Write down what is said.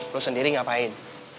lo sendiri ngapain